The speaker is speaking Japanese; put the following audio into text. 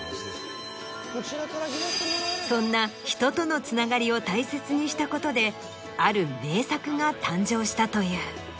そんな人とのつながりを大切にしたことである名作が誕生したという。